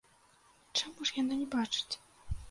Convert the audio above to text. Чаму ж яна не бачыць?